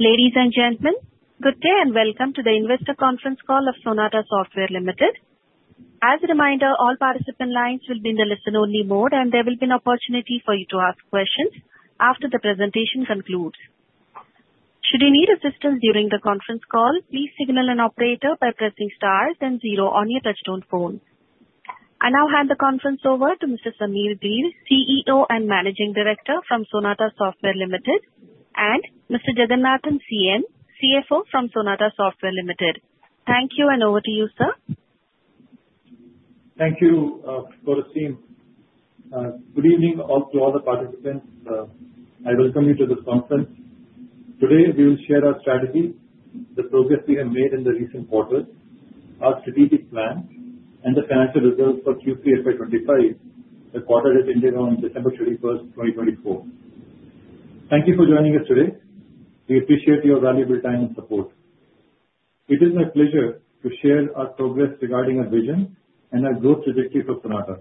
Ladies and gentlemen, good day and welcome to the Investor Conference Call of Sonata Software Limited. As a reminder, all participant lines will be in the listen-only mode, and there will be an opportunity for you to ask questions after the presentation concludes. Should you need assistance during the conference call, please signal an operator by pressing star and zero on your touch-tone phone. I now hand the conference over to Mr. Samir Dhir, CEO and Managing Director from Sonata Software Limited, and Mr. Jagannathan, CFO from Sonata Software Limited. Thank you, and over to you, sir. Thank you, Dorothy. Good evening to all the participants. I welcome you to this conference. Today, we will share our strategy, the progress we have made in the recent quarter, our strategic plan, and the financial results for Q3 FY 25, the quarter that ended on December 31st, 2024. Thank you for joining us today. We appreciate your valuable time and support. It is my pleasure to share our progress regarding our vision and our growth trajectory for Sonata.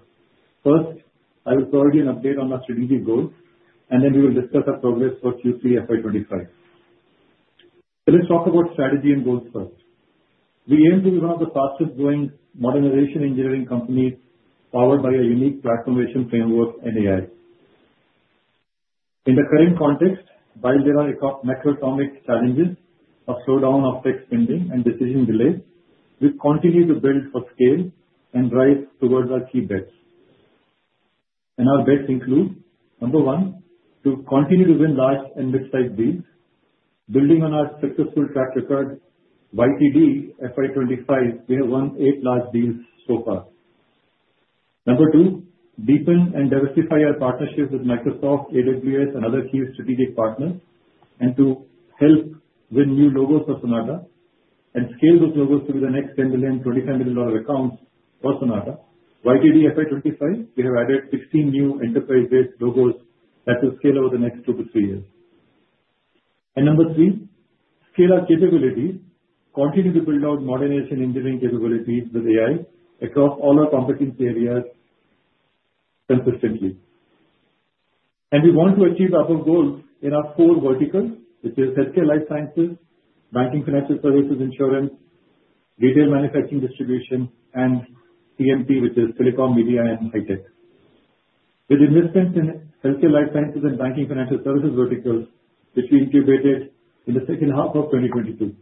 First, I will provide you an update on our strategic goals, and then we will discuss our progress for Q3 FY 25, so let's talk about strategy and goals first. We aim to be one of the fastest-growing Modernization Engineering companies powered by a unique transformation framework and AI. In the current context, while there are macroeconomic challenges of slowdown of tech spending and decision delays, we continue to build for scale and drive towards our key bets, and our bets include number one, to continue to win large and mid-sized deals, building on our successful track record. By YTD FY 25, we have won eight large deals so far. Number two, deepen and diversify our partnership with Microsoft, AWS, and other key strategic partners, and to help win new logos for Sonata and scale those logos to the next $10 million, $25 million accounts for Sonata. By YTD FY 25, we have added 16 new enterprise-based logos that will scale over the next two to three years, and number three, scale our capabilities, continue to build out modernization engineering capabilities with AI across all our competency areas consistently. And we want to achieve our goals in our four verticals, which are healthcare life sciences, banking, financial services, insurance, retail manufacturing, distribution, and TMT, which is telecom, media, and high tech. With investments in healthcare life sciences and banking financial services verticals, which we incubated in the second half of 2022.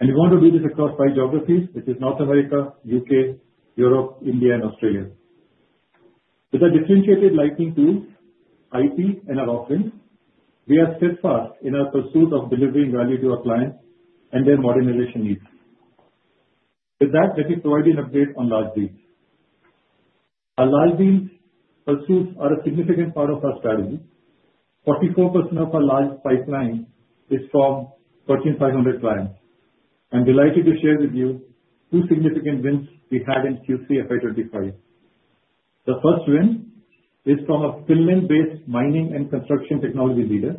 And we want to do this across five geographies, which are North America, U.K., Europe, India, and Australia. With our differentiated Lightning tools, IT, and our offerings, we are steadfast in our pursuit of delivering value to our clients and their modernization needs. With that, let me provide you an update on large deals. Our large deals pursuits are a significant part of our strategy. 44% of our large pipeline is from 1,300 clients. I'm delighted to share with you two significant wins we had in Q3 FY 25. The first win is from a Finland-based mining and construction technology leader.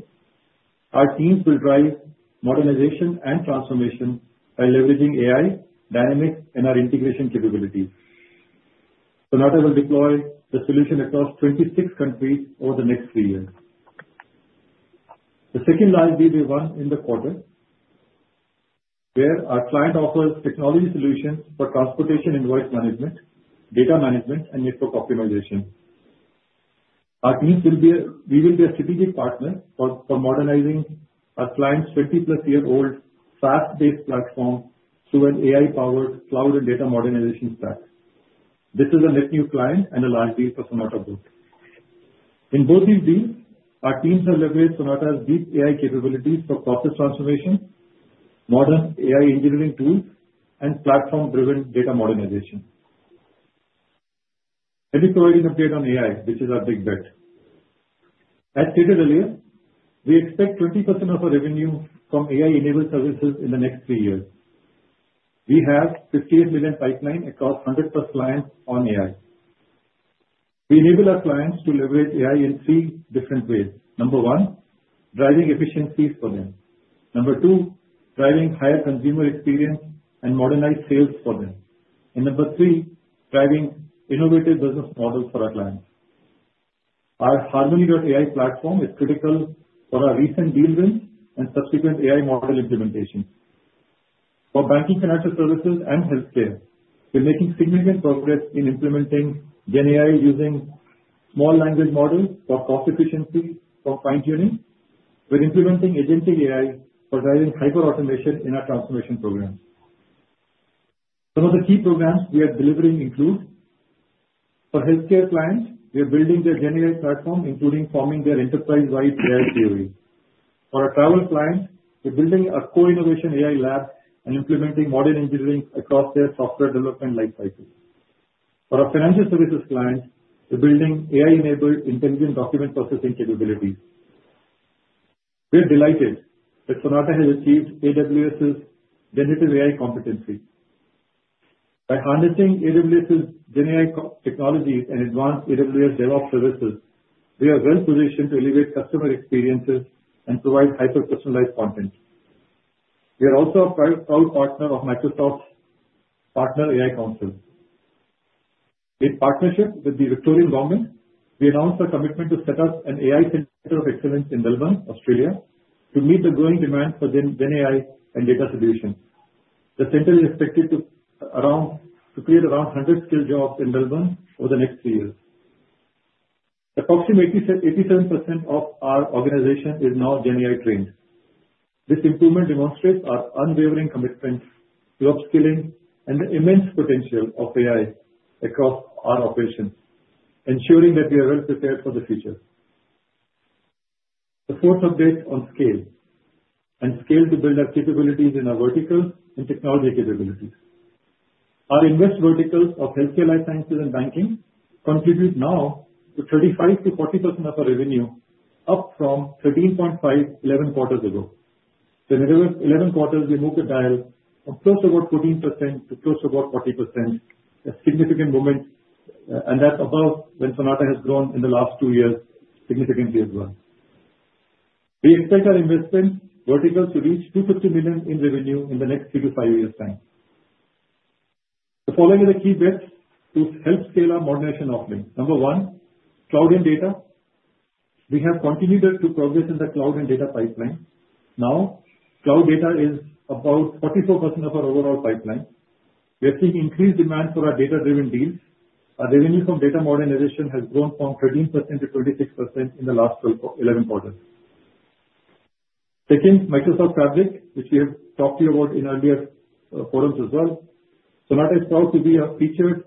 Our teams will drive modernization and transformation by leveraging AI, Dynamics, and our integration capabilities. Sonata will deploy the solution across 26 countries over the next three years. The second large deal we won in the quarter, where our client offers technology solutions for transportation invoice management, data management, and network optimization. Our teams will be a strategic partner for modernizing our client's 20-plus-year-old SaaS-based platform through an AI-powered cloud and data modernization stack. This is a net new client and a large deal for Sonata Group. In both these deals, our teams have leveraged Sonata's deep AI capabilities for process transformation, modern AI engineering tools, and platform-driven data modernization. Let me provide you an update on AI, which is our big bet. As stated earlier, we expect 20% of our revenue from AI-enabled services in the next three years. We have a 58 million pipeline across 100-plus clients on AI. We enable our clients to leverage AI in three different ways. Number one, driving efficiencies for them. Number two, driving higher consumer experience and modernized sales for them. And number three, driving innovative business models for our clients. Our Harmony AI platform is critical for our recent deal wins and subsequent AI model implementation. For banking, financial services and healthcare, we're making significant progress in implementing GenAI using small language models for cost efficiency for fine-tuning, while implementing agentic AI for driving hyper-automation in our transformation program. Some of the key programs we are delivering include, for healthcare clients, we are building their GenAI platform, including forming their enterprise-wide AI CoE. For our travel clients, we're building a co-innovation AI lab and implementing modern engineering across their software development life cycle. For our financial services clients, we're building AI-enabled intelligent document processing capabilities. We're delighted that Sonata has achieved AWS's generative AI competency. By harnessing AWS's GenAI technologies and advanced AWS DevOps services, we are well-positioned to elevate customer experiences and provide hyper-personalized content. We are also a proud partner of Microsoft's Partner AI Council. In partnership with the Victorian Government, we announced our commitment to set up an AI Center of Excellence in Melbourne, Australia, to meet the growing demand for GenAI and data solutions. The center is expected to create around 100 skilled jobs in Melbourne over the next three years. Approximately 87% of our organization is now GenAI trained. This improvement demonstrates our unwavering commitment to upskilling and the immense potential of AI across our operations, ensuring that we are well-prepared for the future. The fourth update on scale and scale to build our capabilities in our verticals and technology capabilities. Our investment verticals of healthcare life sciences and banking contribute now to 35%-40% of our revenue, up from 13.5% 11 quarters ago. In the 11 quarters, we moved the dial from close to about 14% to close to about 40%, a significant movement, and that's as Sonata has grown in the last two years significantly as well. We expect our investment verticals to reach 250 million in revenue in the next three to five years' time. The following are the key bets to help scale our modernization offering. Number one, cloud and data. We have continued to progress in the cloud and data pipeline. Now, cloud data is about 44% of our overall pipeline. We are seeing increased demand for our data-driven deals. Our revenue from data modernization has grown from 13% to 26% in the last 11 quarters. Second, Microsoft Fabric, which we have talked to you about in earlier forums as well. Sonata is proud to be a featured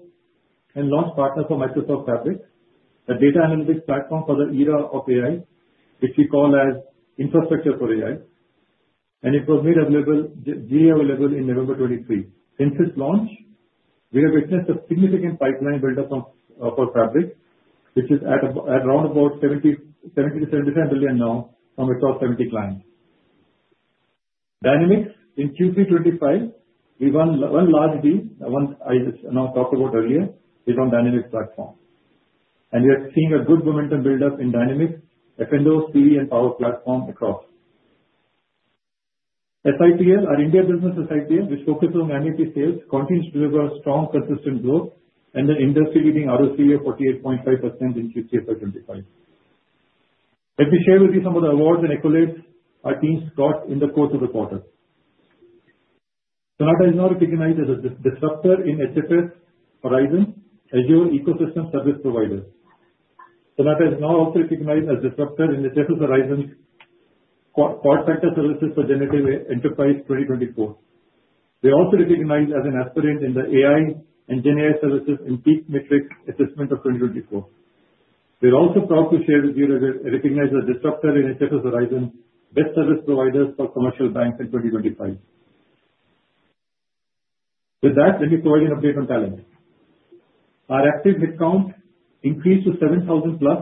and launch partner for Microsoft Fabric, a data analytics platform for the era of AI, which we call as Infrastructure for AI. And it was made available in November 2023. Since its launch, we have witnessed a significant pipeline buildup for Fabric, which is at around about $70-75 million now from across 70 clients. Dynamics, in Q3 2025, we won one large deal I just talked about earlier based on Dynamics platform. And we are seeing a good momentum buildup in Dynamics, F&O, CE, and Power Platform across. SITL, our India business SITL, which focuses on LSP sales, continues to deliver strong, consistent growth, and the industry-leading ROC of 48.5% in Q3 FY 2025. Let me share with you some of the awards and accolades our teams got in the course of the quarter. Sonata is now recognized as a disruptor in HFS Horizon Azure Ecosystem Service Providers. Sonata is now also recognized as a disruptor in HFS Horizon Generative Enterprise Services for Generative Enterprise 2024. We are also recognized as an aspirant in the AI and GenAI services in PEAK Matrix Assessment of 2024. We are also proud to share with you that we are recognized as a disruptor in HFS Horizon Best Service Providers for Commercial Banks in 2025. With that, let me provide you an update on talent. Our active headcount increased to 7,000 plus,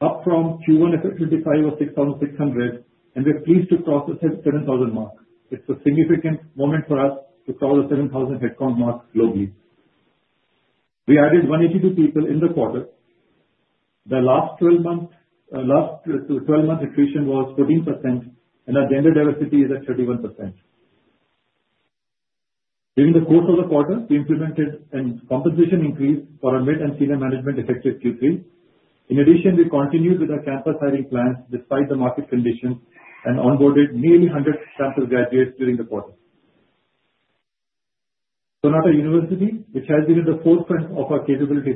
up from Q1 FY 25 of 6,600, and we're pleased to cross the 7,000 mark. It's a significant moment for us to cross the 7,000 headcount mark globally. We added 182 people in the quarter. The last 12-month attrition was 14%, and our gender diversity is at 31%. During the course of the quarter, we implemented a compensation increase for our mid and senior management effective Q3. In addition, we continued with our campus hiring plans despite the market conditions and onboarded nearly 100 campus graduates during the quarter. Sonata University, which has been in the forefront of our capability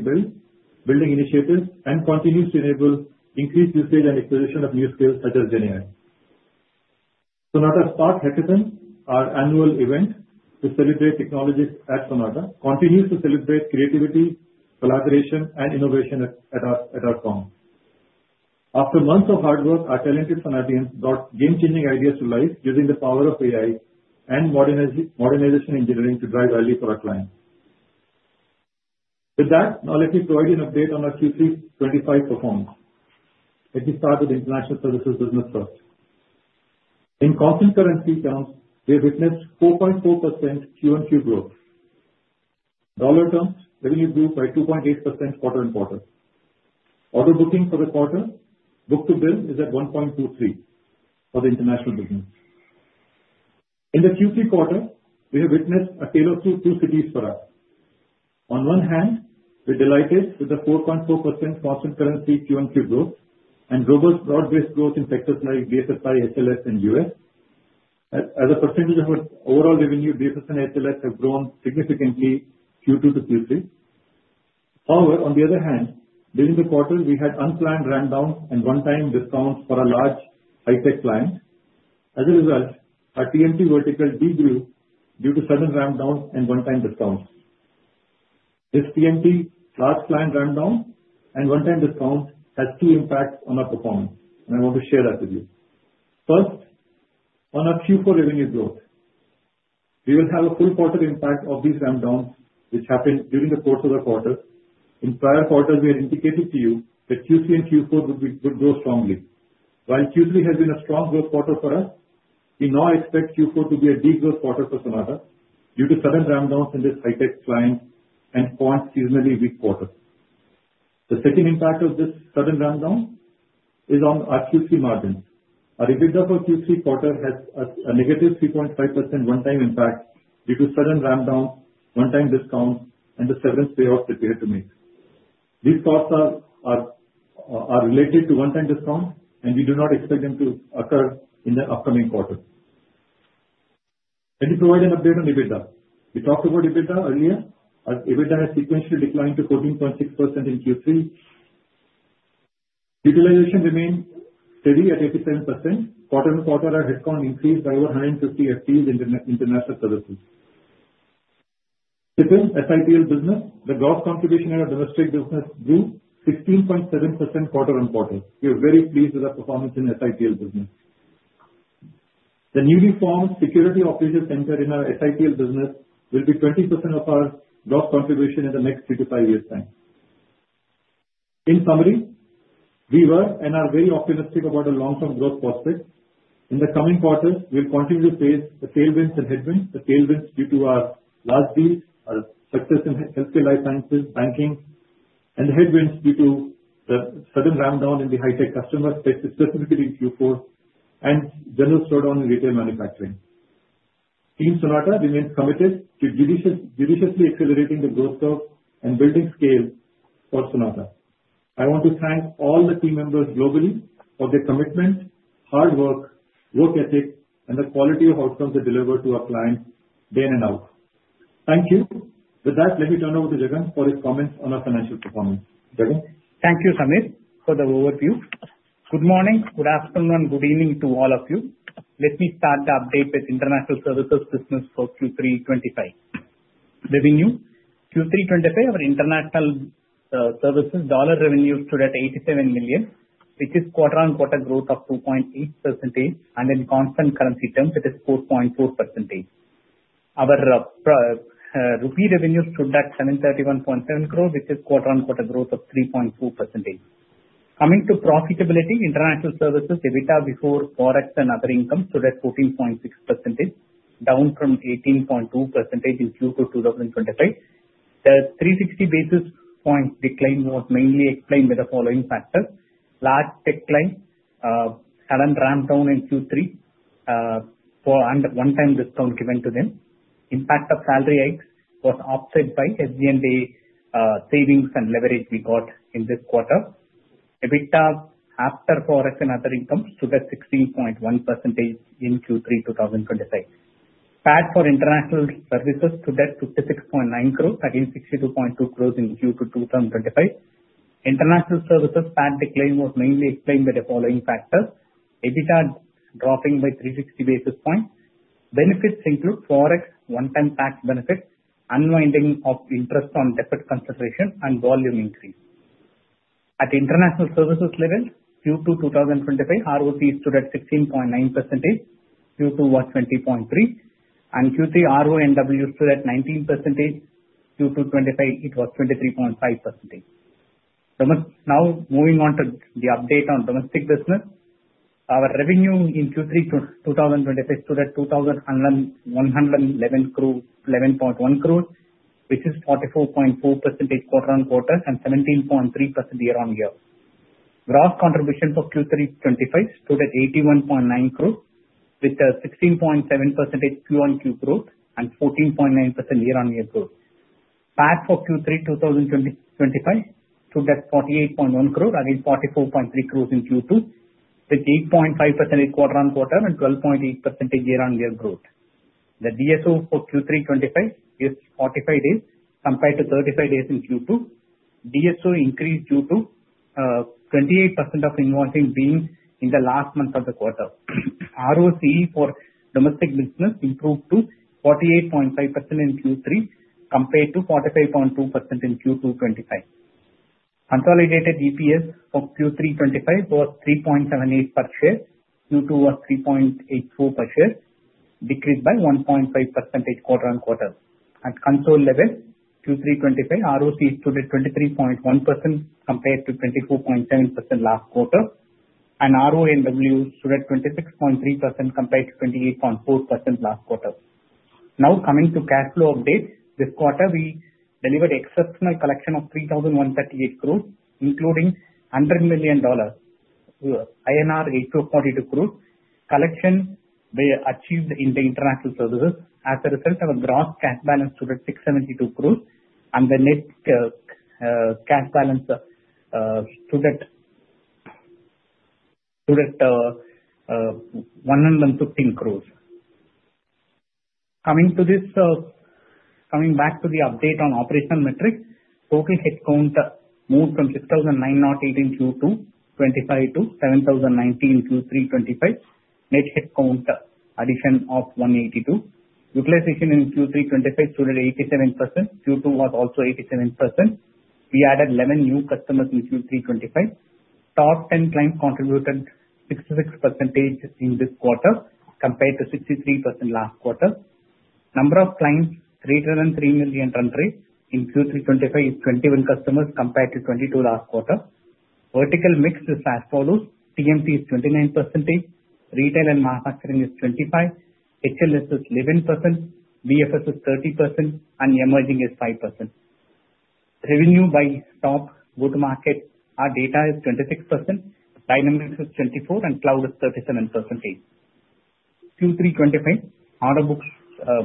building initiatives and continues to enable increased usage and acquisition of new skills such as GenAI. Sonata Spark Hackathon, our annual event to celebrate technologists at Sonata, continues to celebrate creativity, collaboration, and innovation at our company. After months of hard work, our talented Sonatians brought game-changing ideas to life using the power of AI and modernization engineering to drive value for our clients. With that, now let me provide you an update on our Q3 2025 performance. Let me start with international services business first. In constant currency terms, we have witnessed 4.4% QoQ growth. Dollar terms, revenue grew by 2.8% quarter-on-quarter. Order booking for the quarter, book-to-bill, is at 1.23 for the international business. In the Q3 quarter, we have witnessed a tale of two cities for us. On one hand, we're delighted with the 4.4% constant currency QoQ growth and robust broad-based growth in sectors like BFSI, HLS, and TMT. As a percentage of our overall revenue, BFSI and HLS have grown significantly Q2 to Q3. However, on the other hand, during the quarter, we had unplanned rundowns and one-time discounts for a large high-tech client. As a result, our TMT vertical degrew due to sudden rundowns and one-time discounts. This TMT large client rundown and one-time discount has two impacts on our performance, and I want to share that with you. First, on our Q4 revenue growth, we will have a full quarter impact of these rundowns, which happened during the course of the quarter. In prior quarters, we had indicated to you that Q3 and Q4 would grow strongly. While Q3 has been a strong growth quarter for us, we now expect Q4 to be a degrowth quarter for Sonata due to sudden rundowns in this high-tech client and Q4 seasonally weak quarter. The second impact of this sudden rundown is on our Q3 margins. Our EBITDA for Q3 quarter has a negative 3.5% one-time impact due to sudden rundowns, one-time discounts, and the severance payouts that we had to make. These costs are related to one-time discounts, and we do not expect them to occur in the upcoming quarter. Let me provide an update on EBITDA. We talked about EBITDA earlier. EBITDA has sequentially declined to 14.6% in Q3. Utilization remained steady at 87%. Quarter and quarter, our headcount increased by over 150 FTEs in international services. Second, SITL business. The gross contribution in our domestic business grew 16.7% quarter on quarter. We are very pleased with our performance in SITL business. The newly formed Security Operations Center in our SITL business will be 20% of our gross contribution in the next three to five years' time. In summary, we were and are very optimistic about our long-term growth prospects. In the coming quarters, we'll continue to face the tailwinds and headwinds, the tailwinds due to our large deals, our success in healthcare life sciences, banking, and the headwinds due to the sudden rundown in the high-tech customer space, specifically in Q4 and general store-owned retail manufacturing. Team Sonata remains committed to judiciously accelerating the growth curve and building scale for Sonata. I want to thank all the team members globally for their commitment, hard work, work ethic, and the quality of outcomes they deliver to our clients day in and out. Thank you. With that, let me turn over to Jagan for his comments on our financial performance. Jagan. Thank you, Samir, for the overview. Good morning, good afternoon, and good evening to all of you. Let me start the update with International Services Business for Q3 2025. Revenue, Q3 2025, our international services dollar revenue stood at $87 million, which is quarter-on-quarter growth of 2.8%, and in constant currency terms, it is 4.4%. Our rupee revenue stood at 731.7 crore, which is quarter-on-quarter growth of 3.4%. Coming to profitability, international services, EBITDA before forex and other income stood at 14.6%, down from 18.2% in Q2 2025. The 360 basis points decline was mainly explained by the following factors. Large tech clients had a rundown in Q3 for one-time discount given to them. Impact of salary hikes was offset by SG&A savings and leverage we got in this quarter. EBITDA after forex and other income stood at 16.1% in Q3 2025. PAT for international services stood at 56.9 crore, again 62.2 crore in Q2 2025. International services PAT decline was mainly explained by the following factors: EBITDA dropping by 360 basis points. Benefits include forex one-time tax benefit, unwinding of interest on debit consideration, and volume increase. At international services level, Q2 2025, ROC stood at 16.9%. Q2 was 20.3%, and Q3 RONW stood at 19%. Q2 2025, it was 23.5%. Now, moving on to the update on domestic business, our revenue in Q3 2025 stood at 2,111.1 crore, which is 44.4% quarter on quarter and 17.3% year on year. Gross contribution for Q3 2025 stood at 81.9 crore, with 16.7% QoQ growth and 14.9% year on year growth. PAT for Q3 2025 stood at 48.1 crore, again 44.3 crore in Q2, with 8.5% quarter on quarter and 12.8% year on year growth. The DSO for Q3 2025 is 45 days compared to 35 days in Q2. DSO increased due to 28% of invoicing being in the last month of the quarter. ROC for domestic business improved to 48.5% in Q3 compared to 45.2% in Q2 2025. Consolidated EPS for Q3 2025 was 3.78 per share. Q2 was 3.84 per share, decreased by 1.5% quarter on quarter. At consolidated level, Q3 2025, ROC stood at 23.1% compared to 24.7% last quarter, and RONW stood at 26.3% compared to 28.4% last quarter. Now, coming to cash flow update, this quarter, we delivered exceptional collection of 3,138 crore, including $100 million INR 842 crore collection we achieved in the international services as a result of a gross cash balance stood at 672 crore, and the net cash balance stood at 115 crore. Coming back to the update on operational metrics, total headcount moved from 6,918 Q2 2025 to 7,019 Q3 2025. Net headcount addition of 182. Utilization in Q3 2025 stood at 87%. Q2 was also 87%. We added 11 new customers in Q3 '25. Top 10 clients contributed 66% in this quarter compared to 63% last quarter. Number of clients greater than $3 million run rate in Q3 '25 is 21 customers compared to 22 last quarter. Vertical mix is as follows: TMT is 29%, retail and manufacturing is 25%, HLS is 11%, BFS is 30%, and emerging is 5%. Revenue by go-to-market, our data is 26%, dynamics is 24%, and cloud is 37%. Q3 '25 order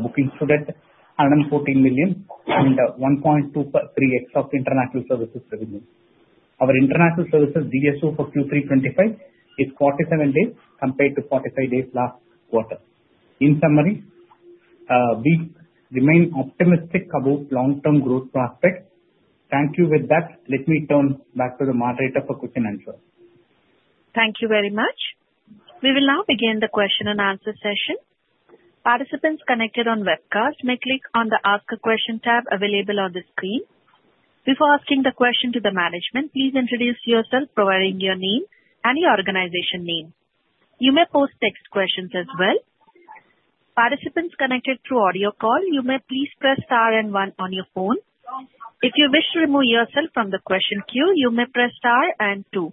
booking stood at $114 million and 1.23x of international services revenue. Our international services DSO for Q3 '25 is 47 days compared to 45 days last quarter. In summary, we remain optimistic about long-term growth prospects. Thank you. With that, let me turn back to the moderator for question and answer. Thank you very much. We will now begin the question and answer session. Participants connected on webcast may click on the Ask a Question tab available on the screen. Before asking the question to the management, please introduce yourself, providing your name and your organization name. You may post text questions as well. Participants connected through audio call, you may please press star and one on your phone. If you wish to remove yourself from the question queue, you may press star and two.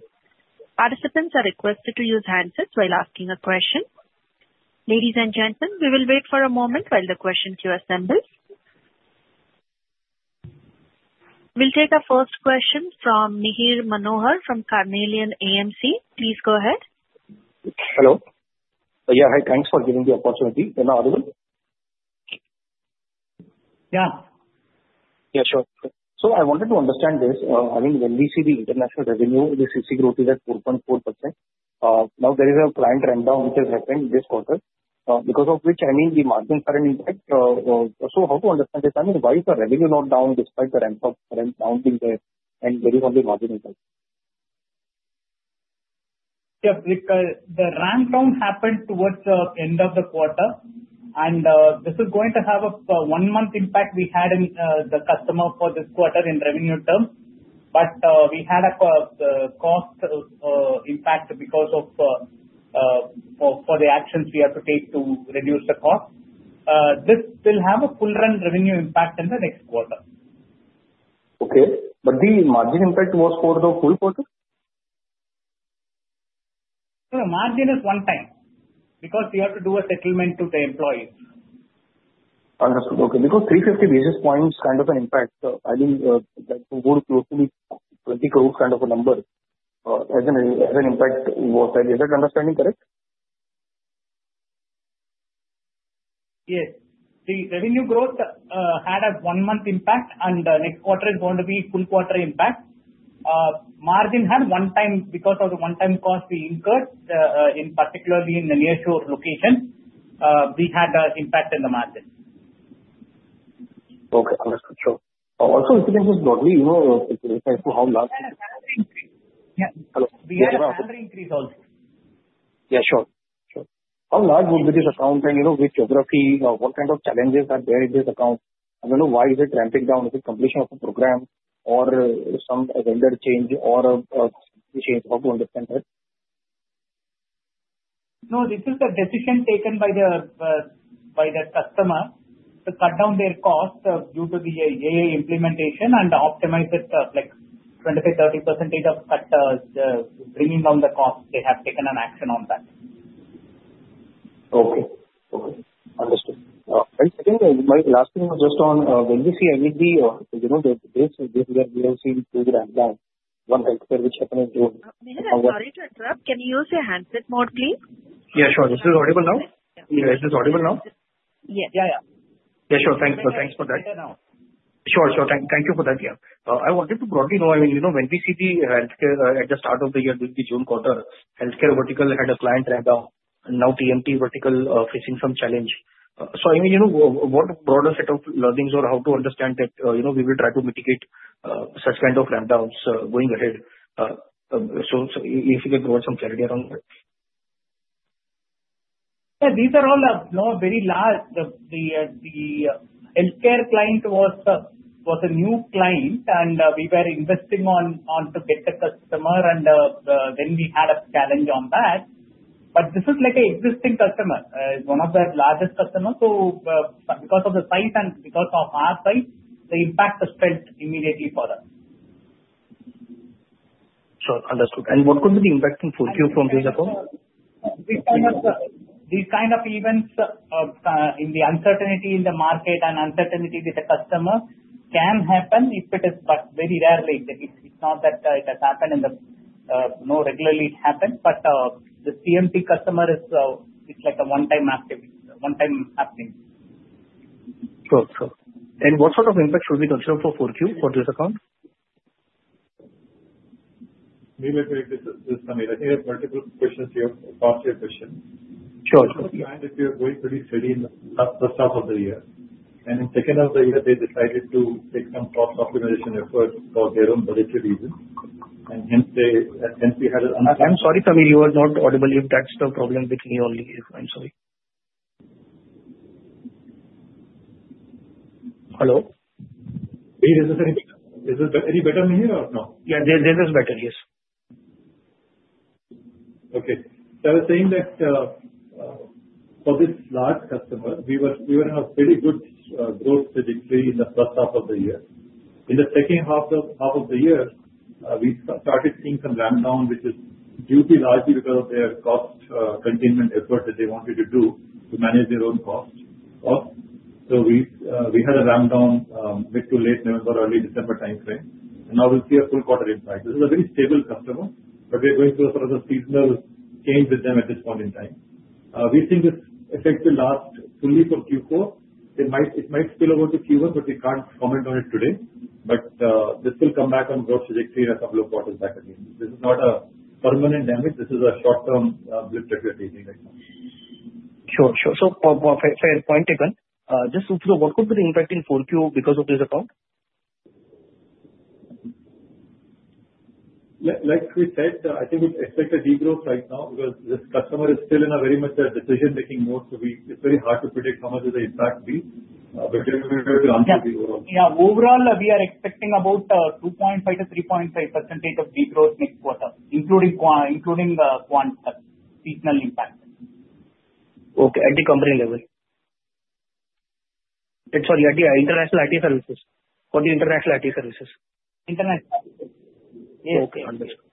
Participants are requested to use handsets while asking a question. Ladies and gentlemen, we will wait for a moment while the question queue assembles. We'll take our first question from Mihir Manohar from Carnelian AMC. Please go ahead. Hello. Yeah, hi. Thanks for giving the opportunity. Am I audible? Yeah. Yeah, sure. So I wanted to understand this. I mean, when we see the international revenue, the CC growth is at 4.4%. Now, there is a client rundown which has happened this quarter, because of which, I mean, the margins are in impact. So how to understand this, I mean, why is the revenue not down despite the ramp-up ramp down being there, and there is only margin impact? Yeah, the ramp-down happened towards the end of the quarter, and this is going to have a one-month impact. We had the customer for this quarter in revenue term, but we had a cost impact because of the actions we have to take to reduce the cost. This will have a full-run revenue impact in the next quarter. Okay, but the margin impact was for the full quarter? The margin is one time because we have to do a settlement to the employees. Understood. Okay. Because 350 basis points kind of an impact, I mean, that would go to be INR 20 crores kind of a number as an impact. Was I understanding correct? Yes. The revenue growth had a one-month impact, and next quarter is going to be full quarter impact. Margin had one time because of the one-time cost we incurred, particularly in the nearshore location. We had an impact in the margin. Okay. Understood. Sure. Also, if you can just broadly, you know, how large? We had a salary increase. Hello? We had a salary increase also. Yeah, sure. Sure. How large will be this account and with geography, what kind of challenges are there in this account? I don't know why is it ramping down? Is it completion of a program or some vendor change or a change? How to understand that? No, this is a decision taken by the customer to cut down their cost due to the AI implementation and optimize it like 25%-30% of cut, bringing down the cost. They have taken an action on that. Okay. Okay. Understood. And second, my last thing was just on when we see anything, you know, this is where we have seen big ramp-down. One healthcare which happened in June. Mihir, I'm sorry to interrupt. Can you use your handset mode, please? Yeah, sure. This is audible now? Is this audible now? Yes. Yeah, yeah. Yeah, sure. Thanks. Thanks for that. Sure, sure. Thank you for that, yeah. I wanted to broadly know, I mean, you know, when we see the healthcare at the start of the year, during the June quarter, healthcare vertical had a client ramp-down, and now TMT vertical facing some challenge. So I mean, you know, what broader set of learnings or how to understand that, you know, we will try to mitigate such kind of ramp-downs going ahead? So if you can provide some clarity around that. Yeah, these are all very large. The healthcare client was a new client, and we were investing on to get the customer, and then we had a challenge on that. But this is like an existing customer. It's one of the largest customers. So because of the size and because of our size, the impact was felt immediately for us. Sure. Understood. And what could be the impact in full Q from this account? These kind of events in the uncertainty in the market and uncertainty with the customer can happen if it is very rarely. It's not that it has happened in the regularly it happens, but the TMT customer is like a one-time happening. Sure, sure. And what sort of impact should we consider for full queue for this account? Let me make this clear. I think I have multiple questions here, past year questions. Sure. If you're going pretty steady in the first half of the year, and in second half of the year, they decided to take some cost optimization effort for their own budgetary reasons, and hence we had an. I'm sorry, Samir, you were not audible. That's the problem with me only. I'm sorry. Hello? Is this any better than here or no? Yeah, this is better, yes. Okay, so I was saying that for this large customer, we were in a pretty good growth trajectory in the first half of the year. In the second half of the year, we started seeing some ramp-down, which is due to largely because of their cost containment effort that they wanted to do to manage their own cost, so we had a ramp-down mid to late November, early December timeframe, and now we'll see a full quarter impact. This is a very stable customer, but we're going through a sort of a seasonal change with them at this point in time. We think this effect will last fully for Q4. It might spill over to Q1, but we can't comment on it today, but this will come back on growth trajectory in a couple of quarters back again. This is not a permanent damage. This is a short-term blip that we are facing right now. Sure, sure. So fair point, Evan. Just to follow, what could be the impact in full Q because of this account? Like we said, I think we expect a degrowth right now because this customer is still in a very much decision-making mode, so it's very hard to predict how much of the impact will be. But we'll answer the overall. Yeah. Overall, we are expecting about 2.5% to 3.5% degrowth next quarter, including seasonal impact. Okay. At the company level? Sorry, IT, international IT services. For the international IT services. International IT services. Yes. Okay. Understood.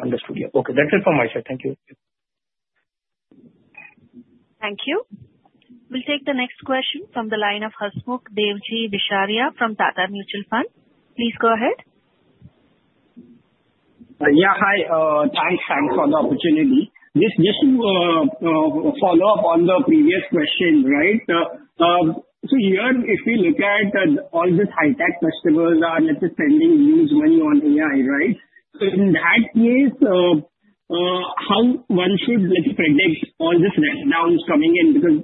Understood. Yeah. Okay. That's it from my side. Thank you. Thank you. We'll take the next question from the line of Hasmukh Vishariya from Tata Mutual Fund. Please go ahead. Yeah, hi. Thanks for the opportunity. Just to follow up on the previous question, right? So here, if we look at all these high-tech customers that are spending huge money on AI, right? So in that case, how one should predict all these ramp-downs coming in? Because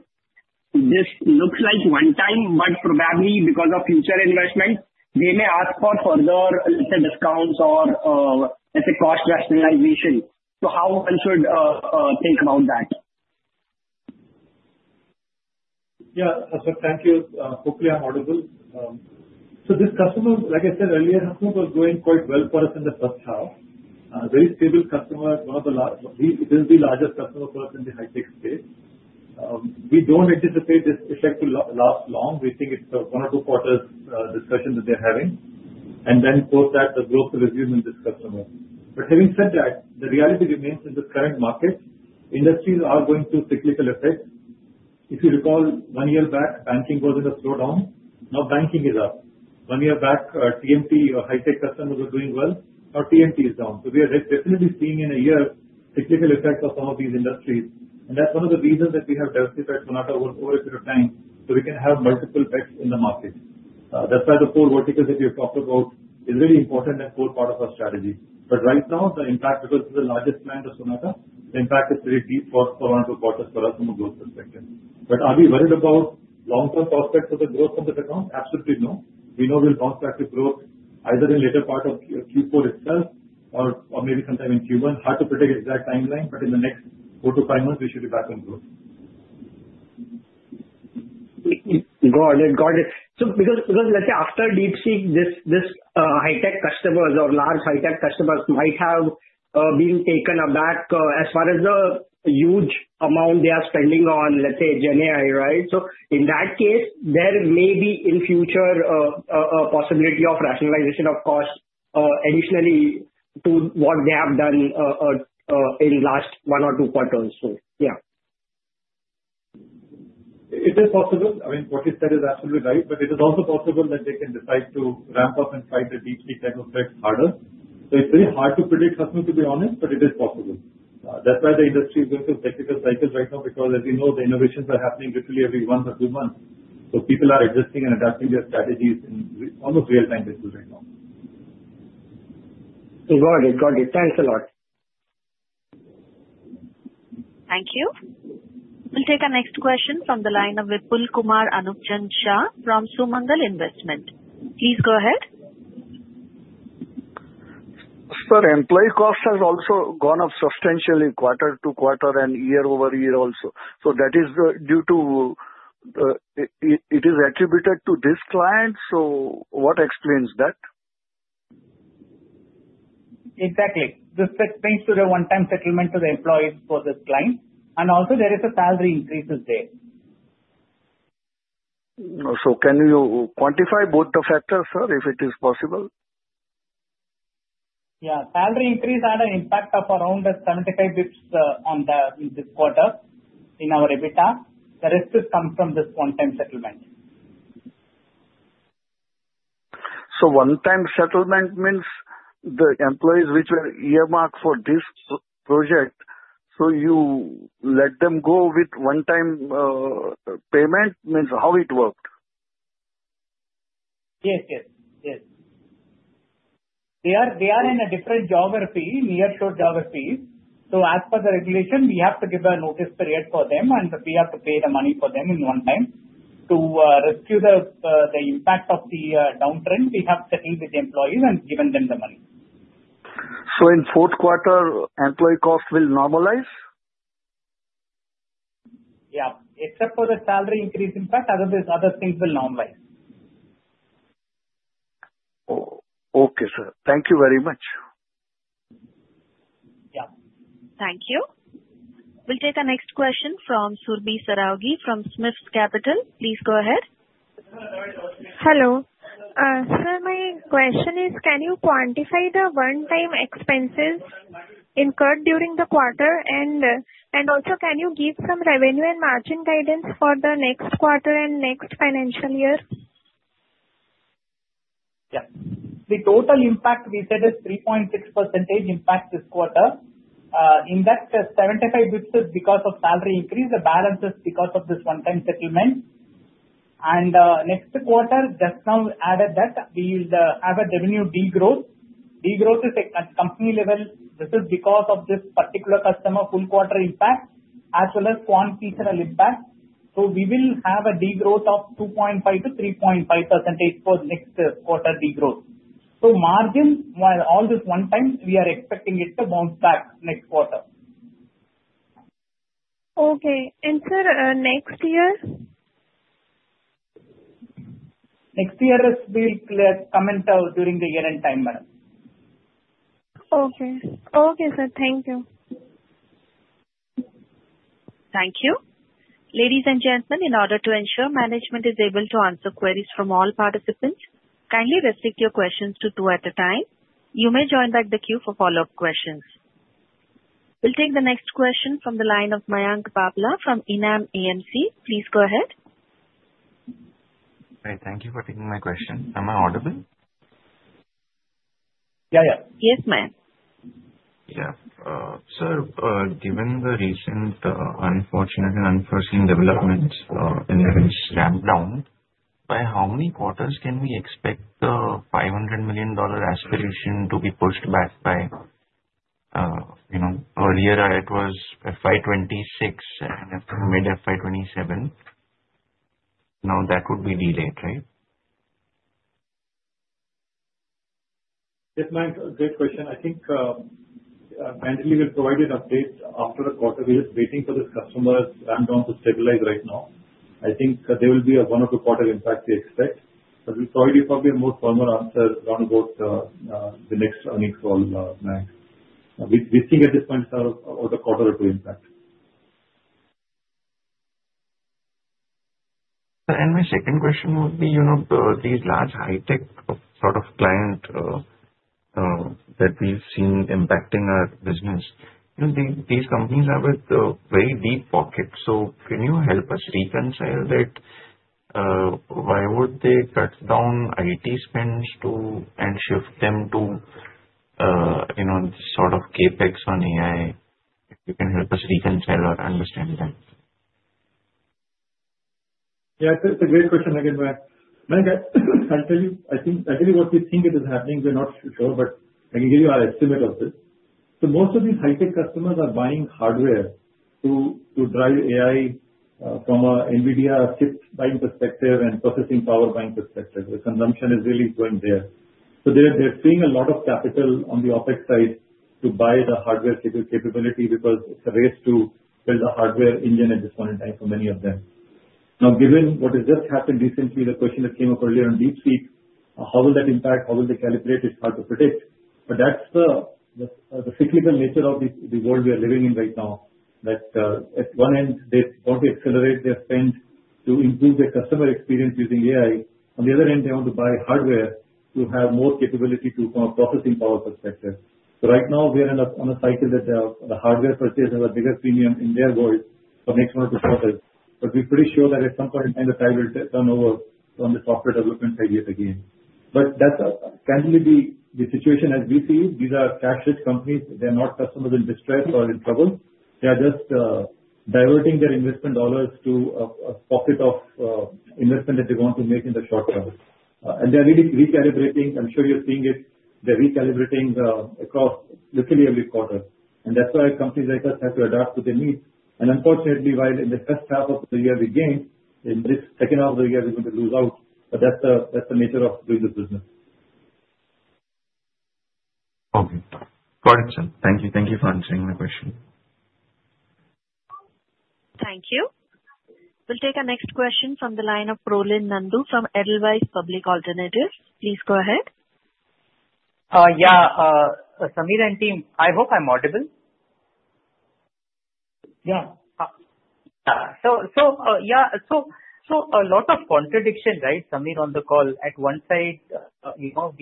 this looks like one time, but probably because of future investment, they may ask for further discounts or cost rationalization. So how one should think about that? Yeah. Thank you. Hopefully, I'm audible. So this customer, like I said earlier, Hasmukh was going quite well for us in the first half. Very stable customer. It is the largest customer for us in the high-tech space. We don't anticipate this effect to last long. We think it's one or two quarters discussion that they're having. And then post that, the growth will resume in this customer. But having said that, the reality remains in this current market. Industries are going through cyclical effects. If you recall, one year back, banking was in a slowdown. Now, banking is up. One year back, TMT high-tech customers were doing well. Now, TMT is down. So we are definitely seeing in a year cyclical effects of some of these industries. And that's one of the reasons that we have diversified Sonata over a period of time so we can have multiple bets in the market. That's why the four verticals that we have talked about are really important and core part of our strategy. But right now, the impact, because this is the largest client of Sonata, the impact is pretty deep for one or two quarters for us from a growth perspective. But are we worried about long-term prospects for the growth of this account? Absolutely no. We know we'll bounce back to growth either in later part of Q4 itself or maybe sometime in Q1. Hard to predict the exact timeline, but in the next four to five months, we should be back on growth. Got it. Got it. So because let's say after DeepSeek, these high-tech customers or large high-tech customers might have been taken aback as far as the huge amount they are spending on, let's say, GenAI, right? So in that case, there may be in future a possibility of rationalization of cost additionally to what they have done in the last one or two quarters. So yeah. It is possible. I mean, what you said is absolutely right, but it is also possible that they can decide to ramp up and try to DeepSeek that effect harder. So it's very hard to predict Hasmukh, to be honest, but it is possible. That's why the industry is going through cyclical cycles right now because, as you know, the innovations are happening literally every one or two months. So people are adjusting and adapting their strategies in almost real-time business right now. Got it. Got it. Thanks a lot. Thank you. We'll take our next question from the line of Vipul Kumar Anupchand Shah from Sumangal Investment. Please go ahead. Sir, employee cost has also gone up substantially quarter to quarter and year over year also. So that is due to it is attributed to this client. So what explains that? Exactly. This explains the one-time settlement to the employees for this client. And also, there is a salary increase there. So can you quantify both the factors, sir, if it is possible? Yeah. Salary increase had an impact of around 75 basis points on this quarter in our EBITDA. The rest has come from this one-time settlement. One-time settlement means the employees which were earmarked for this project, so you let them go with one-time payment? How it worked? Yes, yes. Yes. They are in a different geography, nearshore geography. So as per the regulation, we have to give a notice period for them, and we have to pay the money for them in one time. To rescue the impact of the downtrend, we have settled with the employees and given them the money. In fourth quarter, employee cost will normalize? Yeah. Except for the salary increase impact, other things will normalize. Okay, sir. Thank you very much. Yeah. Thank you. We'll take our next question from Surbhi Sarawgi from SMIFS Capital. Please go ahead. Hello. Sir, my question is, can you quantify the one-time expenses incurred during the quarter? And also, can you give some revenue and margin guidance for the next quarter and next financial year? Yeah. The total impact we said is 3.6% impact this quarter. In that, 75 basis points is because of salary increase. The balance is because of this one-time settlement. Next quarter, just now added that we will have a revenue degrowth. Degrowth is at company level. This is because of this particular customer full quarter impact as well as Quant Systems impact. So we will have a degrowth of 2.5%-3.5% for next quarter degrowth. So margin, while all this one time, we are expecting it to bounce back next quarter. Okay. And sir, next year? Next year will come in during the year in time, ma'am. Okay. Okay, sir. Thank you. Thank you. Ladies and gentlemen, in order to ensure management is able to answer queries from all participants, kindly restrict your questions to two at a time. You may join back the queue for follow-up questions. We'll take the next question from the line of Mayank Babla from Enam AMC. Please go ahead. Hey, thank you for taking my question. Am I audible? Yeah, yeah. Yes, ma'am. Yeah. Sir, given the recent unfortunate and unforeseen developments in the ramp-down, by how many quarters can we expect the $500 million aspiration to be pushed back by? Earlier, it was FY26 and mid-FY27. Now, that would be delayed, right? Yes, ma'am. Great question. I think Management will provide an update after the quarter. We're just waiting for this customer's ramp-down to stabilize right now. I think there will be a one- or two-quarter impact we expect. But we'll probably give a more formal answer around about the next earnings call, ma'am. We think at this point, it's about a quarter or two impact. And my second question would be, these large high-tech sort of clients that we've seen impacting our business, these companies have very deep pockets. So can you help us reconcile that? Why would they cut down IT spends and shift them to sort of CapEx on AI? If you can help us reconcile or understand that. Yeah, it's a great question. Again, ma'am, I'll tell you. I'll tell you what we think it is happening. We're not sure, but I can give you our estimate of this. So most of these high-tech customers are buying hardware to drive AI from an NVIDIA chip buying perspective and processing power buying perspective. The consumption is really going there. So they're paying a lot of capital on the OpEx side to buy the hardware capability because it's a race to build a hardware engine at this point in time for many of them. Now, given what has just happened recently, the question that came up earlier on DeepSeek, how will that impact? How will they calibrate? It's hard to predict, but that's the cyclical nature of the world we are living in right now. At one end, they want to accelerate their spend to improve their customer experience using AI. On the other end, they want to buy hardware to have more capability from a processing power perspective. So right now, we are on a cycle that the hardware purchase has a bigger premium in their world for next one or two quarters. But we're pretty sure that at some point in time, the tide will turn over on the software development side yet again. But that can only be the situation as we see it. These are cash-rich companies. They're not customers in distress or in trouble. They are just diverting their investment dollars to a pocket of investment that they want to make in the short term. And they're recalibrating. I'm sure you're seeing it. They're recalibrating across literally every quarter. And that's why companies like us have to adapt to their needs. And unfortunately, while in the first half of the year we gain, in this second half of the year, we're going to lose out. But that's the nature of doing this business. Okay. Got it, sir. Thank you. Thank you for answering my question. Thank you. We'll take our next question from the line of Pralin Nandu from Edelweiss Public Alternatives. Please go ahead. Yeah. Samir and team, I hope I'm audible. Yeah. Yeah. So a lot of contradiction, right, Samir, on the call. At one side, we want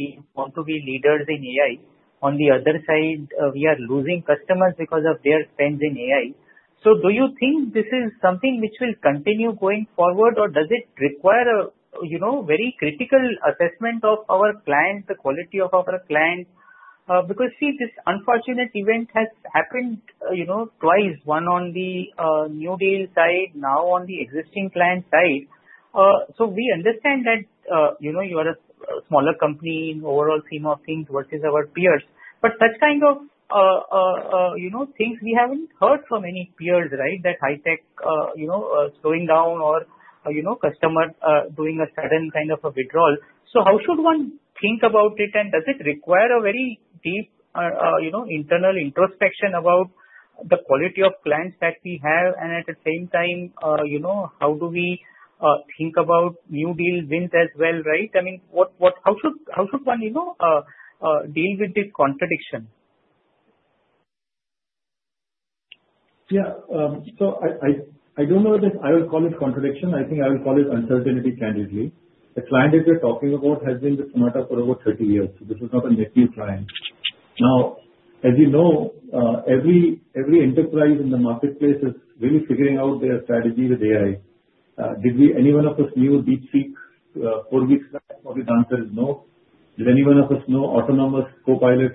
to be leaders in AI. On the other side, we are losing customers because of their spends in AI. So do you think this is something which will continue going forward, or does it require a very critical assessment of our client, the quality of our client? Because see, this unfortunate event has happened twice, one on the new deal side, now on the existing client side. So we understand that you are a smaller company in the overall scheme of things versus our peers. But such kind of things, we haven't heard from any peers, right, that high-tech slowing down or customer doing a sudden kind of a withdrawal. So how should one think about it? And does it require a very deep internal introspection about the quality of clients that we have? At the same time, how do we think about new deal wins as well, right? I mean, how should one deal with this contradiction? Yeah. So I don't know if I would call it contradiction. I think I would call it uncertainty, candidly. The client that we're talking about has been with Sonata for over 30 years. So this is not a new client. Now, as you know, every enterprise in the marketplace is really figuring out their strategy with AI. Did any one of us knew DeepSeek four weeks back? Probably the answer is no. Did any one of us know Microsoft Copilot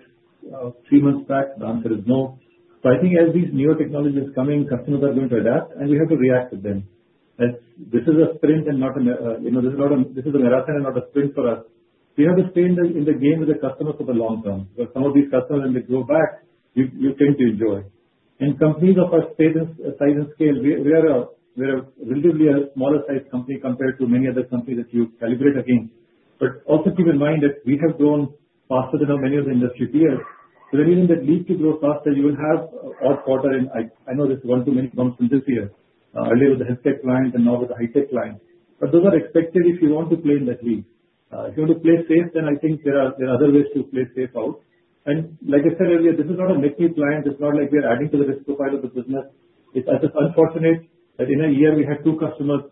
three months back? The answer is no. So I think as these newer technologies are coming, customers are going to adapt, and we have to react to them. This is a marathon and not a sprint for us. We have to stay in the game with the customer for the long term. Because some of these customers, when they grow back, you tend to enjoy. And companies of our size and scale, we are a relatively smaller-sized company compared to many other companies that you calibrate against. But also keep in mind that we have grown faster than many of the industry peers. So then even that leap to grow faster, you will have odd quarter. And I know there's one too many bumps in this year, earlier with the healthcare client and now with the high-tech client. But those are expected if you want to play in that league. If you want to play safe, then I think there are other ways to play safe out. And like I said earlier, this is not a mid-year client. It's not like we are adding to the risk profile of the business. It's just unfortunate that in a year, we had two customers,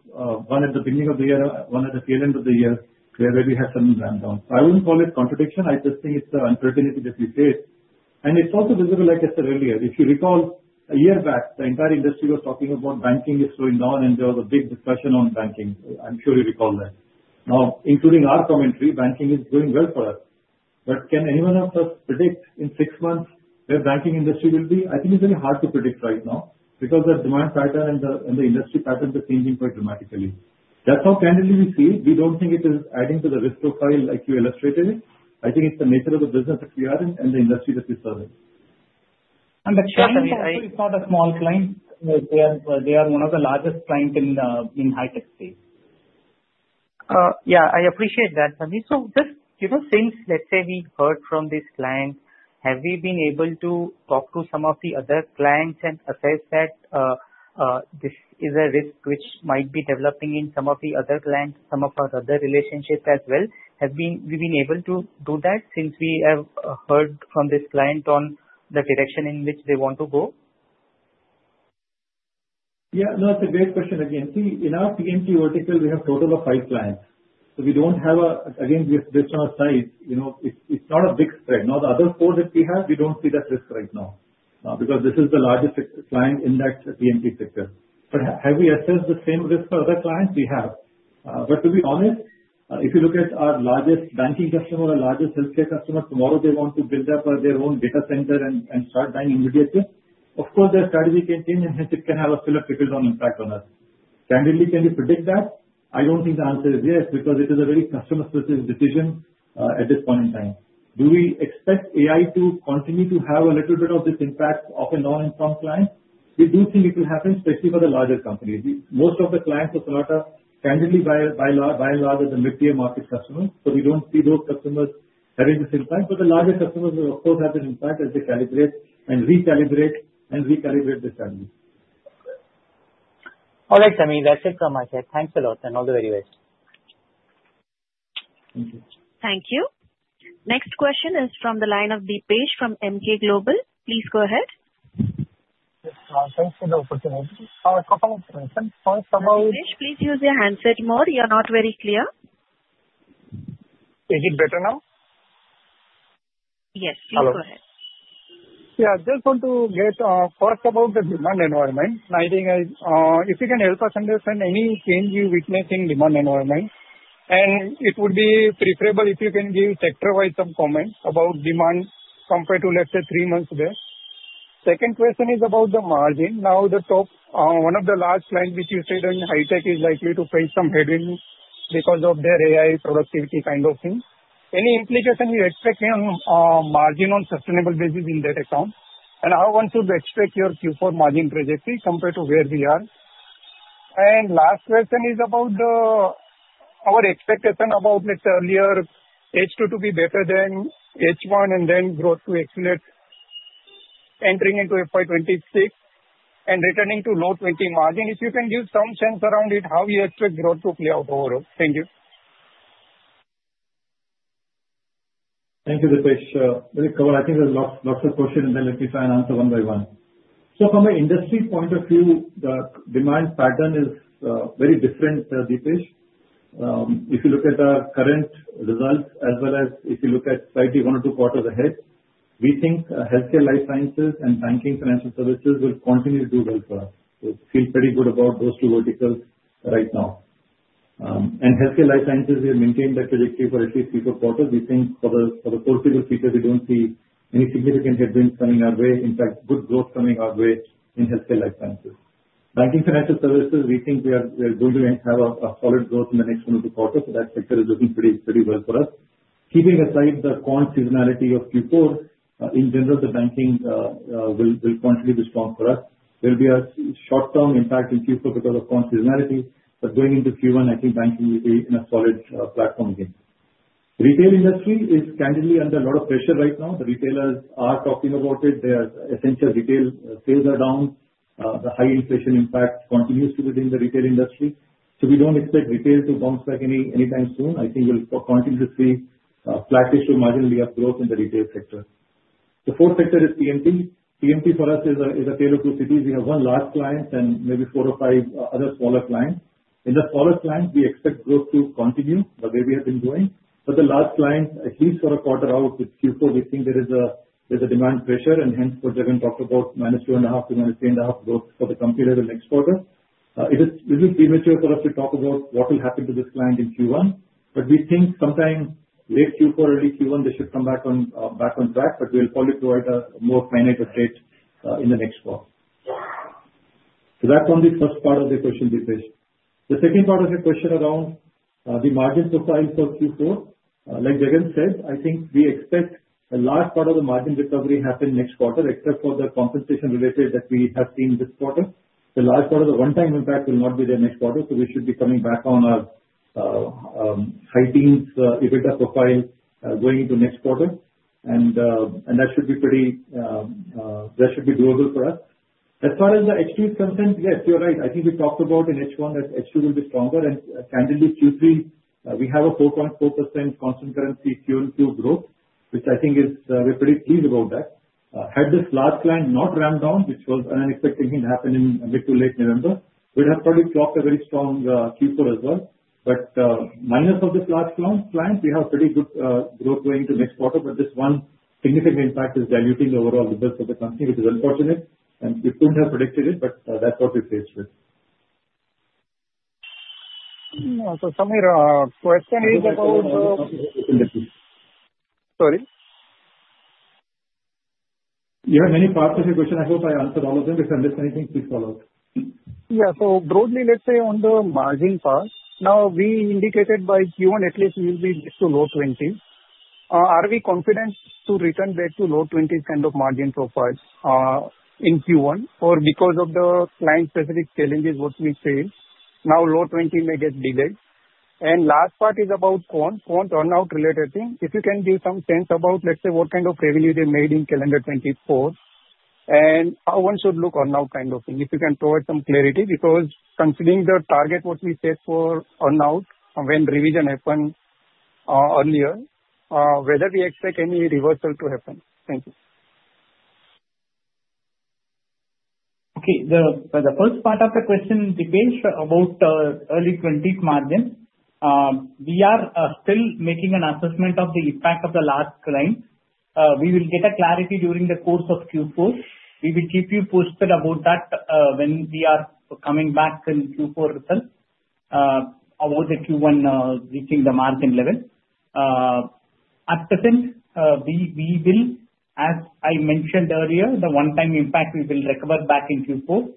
one at the beginning of the year, one at the tail end of the year, where we had sudden ramp-down. So I wouldn't call it contradiction. I just think it's the uncertainty that we faced. And it's also visible, like I said earlier. If you recall, a year back, the entire industry was talking about banking is slowing down, and there was a big discussion on banking. I'm sure you recall that. Now, including our commentary, banking is doing well for us. But can any one of us predict in six months where the banking industry will be? I think it's very hard to predict right now because the demand pattern and the industry patterns are changing quite dramatically. That's how candidly we see it. We don't think it is adding to the risk profile like you illustrated it. I think it's the nature of the business that we are in and the industry that we serve. The client is not a small client. They are one of the largest clients in high-tech space. Yeah. I appreciate that, Samir. So just since, let's say, we heard from this client, have we been able to talk to some of the other clients and assess that this is a risk which might be developing in some of the other clients, some of our other relationships as well? Have we been able to do that since we have heard from this client on the direction in which they want to go? Yeah. No, it's a great question. Again, see, in our TMT vertical, we have a total of five clients. So we don't have a, again, based on our size, it's not a big spread. Now, the other four that we have, we don't see that risk right now because this is the largest client in that TMT sector. But have we assessed the same risk for other clients? We have. But to be honest, if you look at our largest banking customer, our largest healthcare customer, tomorrow they want to build up their own data center and start buying immediately. Of course, their strategy can change and it can have a filtered effect on us. Candidly, can you predict that? I don't think the answer is yes because it is a very customer-specific decision at this point in time. Do we expect AI to continue to have a little bit of this impact off and on in some clients? We do think it will happen, especially for the larger companies. Most of the clients of Sonata, candidly, by and large, are the mid-tier market customers. So we don't see those customers having this impact. But the larger customers, of course, have this impact as they calibrate and recalibrate and recalibrate the strategy. All right, Samir. That's it from my side. Thanks a lot and all the very best. Thank you. Thank you. Next question is from the line of Dipesh from Emkay Global. Please go ahead. Thanks for the opportunity. Dipesh, please use your hands a bit more. You're not very clear. Is it better now? Yes. Please go ahead. Hello. Yeah. Just want to get first about the demand environment. I think if you can help us understand any change you're witnessing in the demand environment. And it would be preferable if you can give sector-wise some comments about demand compared to, let's say, three months back. Second question is about the margin. Now, one of the large clients which you said in high-tech is likely to face some headwinds because of their AI productivity kind of thing. Any implication you expect on margin on a sustainable basis in that account? And I want to expect your Q4 margin trajectory compared to where we are. And last question is about our expectation about, let's say, earlier, H2 to be better than H1 and then growth to excellent, entering into FY26 and returning to low 20% margin. If you can give some sense around it, how do you expect growth to play out overall? Thank you. Thank you, Dipesh. Very good. I think there's lots of questions, and then let me try and answer one by one so from an industry point of view, the demand pattern is very different, Dipesh. If you look at our current results as well as if you look at slightly one or two quarters ahead, we think healthcare life sciences and banking financial services will continue to do well for us so feel pretty good about those two verticals right now, and healthcare life sciences, we have maintained that trajectory for at least three or four quarters. We think for the foreseeable future, we don't see any significant headwinds coming our way. In fact, good growth coming our way in healthcare life sciences. Banking financial services, we think we are going to have a solid growth in the next one or two quarters. So that sector is looking pretty well for us. Keeping aside the quant seasonality of Q4, in general, the banking will quantitatively be strong for us. There'll be a short-term impact in Q4 because of quant seasonality. But going into Q1, I think banking will be in a solid platform again. Retail industry is candidly under a lot of pressure right now. The retailers are talking about it. Their essential retail sales are down. The high inflation impact continues to be within the retail industry. So we don't expect retail to bounce back anytime soon. I think we'll continue to see a flattish or marginally up growth in the retail sector. The fourth sector is PMP. PMP for us is a tale of two cities. We have one large client and maybe four or five other smaller clients. In the smaller clients, we expect growth to continue the way we have been doing. But the large clients, at least for a quarter out with Q4, we think there is a demand pressure. And hence, we're going to talk about -2.5% to -3.5% growth for the companies in the next quarter. It is a little premature for us to talk about what will happen to this client in Q1. But we think sometime late Q4, early Q1, they should come back on track. But we'll probably provide a more finite update in the next quarter. So that's on the first part of the question, Dipesh. The second part of your question around the margin profile for Q4, like Jagan said, I think we expect a large part of the margin recovery to happen next quarter, except for the compensation related that we have seen this quarter. The large part of the one-time impact will not be there next quarter. So we should be coming back on our high-teens EBITDA profile going into next quarter. And that should be pretty doable for us. As far as the H2 is concerned, yes, you're right. I think we talked about in H1 that H2 will be stronger. And candidly, Q3, we have a 4.4% constant currency Q1Q growth, which I think we're pretty pleased about that. Had this large client not ramped down, which was an unexpected thing to happen in mid to late November, we would have probably clocked a very strong Q4 as well. But minus of this large client, we have pretty good growth going into next quarter. But this one significant impact is diluting the overall results of the company, which is unfortunate, and we couldn't have predicted it, but that's what we're faced with. Samir, our question is about. Sorry? Yeah. Many parts of your question. I hope I answered all of them. If I missed anything, please follow up. Yeah. So broadly, let's say on the margin part, now we indicated by Q1, at least we'll be to low 20%. Are we confident to return back to low 20% kind of margin profile in Q1 or because of the client-specific challenges, what we face? Now, low 20% may get delayed. And last part is about Quant turnover-related thing. If you can give some sense about, let's say, what kind of revenue they made in calendar 2024 and how one should look turnover kind of thing, if you can provide some clarity because considering the target, what we set for turnover when revision happened earlier, whether we expect any reversal to happen. Thank you. Okay. The first part of the question, Dipesh, about early 20% margin, we are still making an assessment of the impact of the large client. We will get clarity during the course of Q4. We will keep you posted about that when we are coming back in Q4 results about the Q1 reaching the margin level. At present, we will, as I mentioned earlier, the one-time impact, we will recover back in Q4.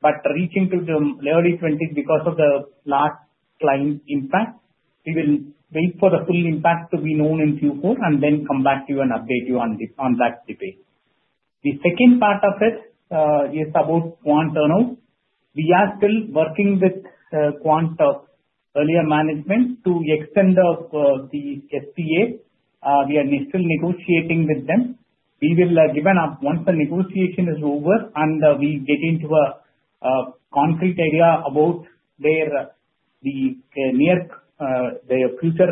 But reaching to the early 20% because of the large client impact, we will wait for the full impact to be known in Q4 and then come back to you and update you on that, Dipesh. The second part of it is about Quant earnout. We are still working with Quant's earlier management to extend the SPA. We are still negotiating with them. We will give an update once the negotiation is over and we get into a concrete idea about their near future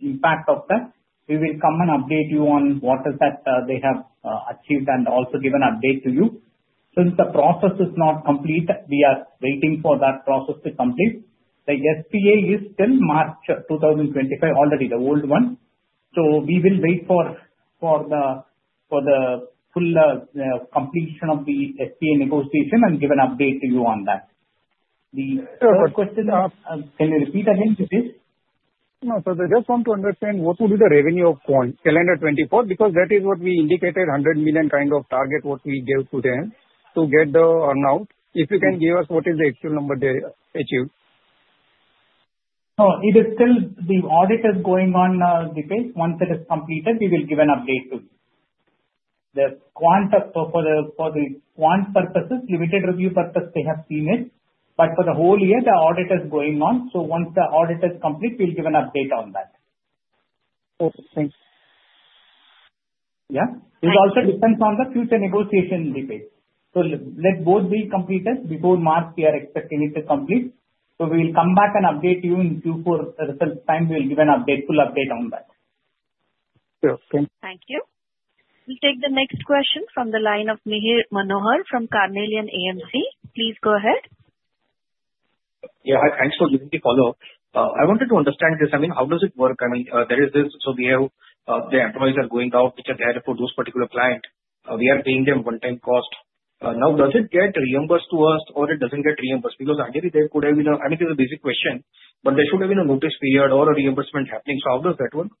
impact of that. We will come and update you on what is that they have achieved and also give an update to you. Since the process is not complete, we are waiting for that process to complete. The SPA is still March 2025 already, the old one. So we will wait for the full completion of the SPA negotiation and give an update to you on that. The third question. Sure. Can you repeat again, Dipesh? No. So I just want to understand what will be the revenue of Quant calendar 2024 because that is what we indicated, $100 million kind of target what we gave to them to get the turnover. If you can give us what is the actual number they achieved. No. The audit is going on now, Dipesh. Once it is completed, we will give an update to you. The Quant purposes, limited review purpose, they have seen it. But for the whole year, the audit is going on. So once the audit is complete, we'll give an update on that. Okay. Thanks. Yeah. It also depends on the future negotiation, Dipesh. So let both be completed before March. We are expecting it to complete. So we'll come back and update you in Q4 results time. We'll give a full update on that. Sure. Thanks. Thank you. We'll take the next question from the line of Mihir Manohar from Carnelian AMC. Please go ahead. Yeah. Hi. Thanks for giving the follow-up. I wanted to understand this. I mean, how does it work? I mean, there is this. So the employees are going out, which are there for those particular clients. We are paying them one-time cost. Now, does it get reimbursed to us or it doesn't get reimbursed? Because ideally, there could have been a, I mean, this is a basic question, but there should have been a notice period or a reimbursement happening. So how does that work?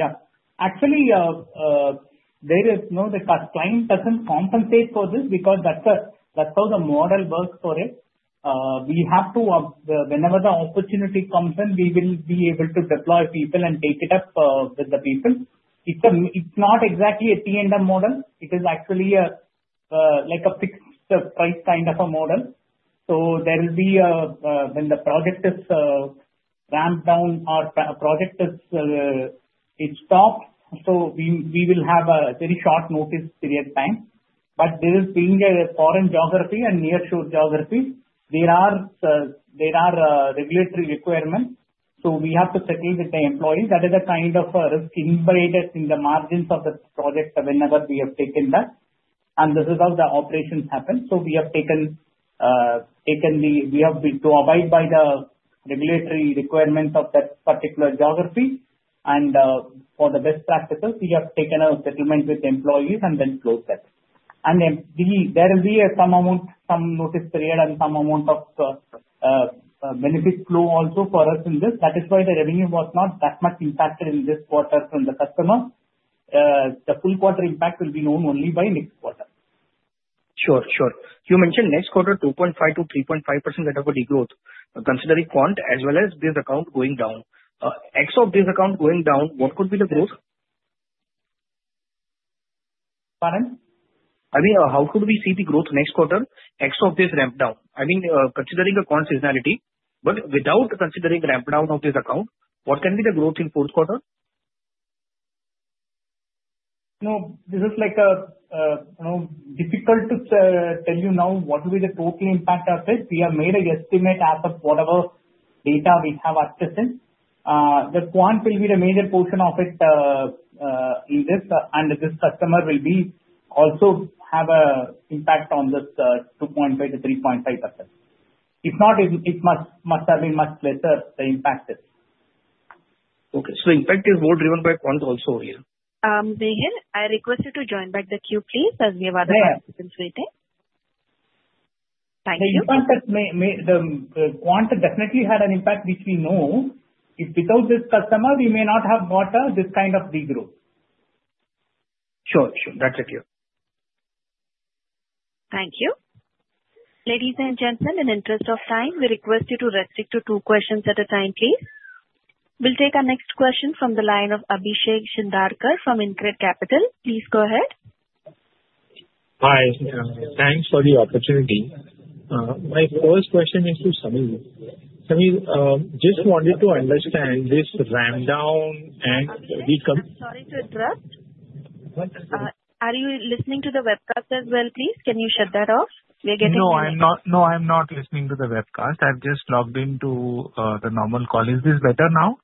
Yeah. Actually, there is no. The client doesn't compensate for this because that's how the model works for it. We have to, whenever the opportunity comes in, we will be able to deploy people and take it up with the people. It's not exactly a T&M model. It is actually like a fixed price kind of a model. So there will be a, when the project is ramped down or a project is stopped, so we will have a very short notice period time. But this being a foreign geography and near-shore geography, there are regulatory requirements. So we have to settle with the employees. That is a kind of a risk embedded in the margins of the project whenever we have taken that. And this is how the operations happen. So we have to abide by the regulatory requirements of that particular geography. For the best practices, we have taken a settlement with the employees and then closed that. There will be some amount, some notice period, and some amount of benefit flow also for us in this. That is why the revenue was not that much impacted in this quarter from the customer. The full quarter impact will be known only by next quarter. Sure. Sure. You mentioned next quarter 2.5%-3.5% kind of a degrowth, considering Quant as well as base account going down. Excluding base account going down, what could be the growth? Pardon? I mean, how could we see the growth next quarter ex of base ramp down? I mean, considering the Quant seasonality, but without considering ramp down of base account, what can be the growth in fourth quarter? No. This is difficult to tell you now what will be the total impact of it. We have made an estimate as of whatever data we have access to. Quant will be the major portion of it in this. And this customer will also have an impact on this 2.5%-3.5%. If not, it must have been much lesser the impact is. Okay, so the impact is more driven by quant also here. Mihir, I request you to join back the queue, please, as we have other participants waiting. Thank you. The impact that the Quant definitely had an impact, which we know. If without this customer, we may not have gotten this kind of degrowth. Sure. Sure. That's it here. Thank you. Ladies and gentlemen, in interest of time, we request you to restrict to two questions at a time, please. We'll take our next question from the line of Abhishek Shindadkar from InCred Capital. Please go ahead. Hi. Thanks for the opportunity. My first question is to Samir. Samir, just wanted to understand this ramp down and we can? Sorry to interrupt. Are you listening to the webcast as well, please? Can you shut that off? We are getting late. No. I'm not listening to the webcast. I've just logged into the normal call. Is this better now?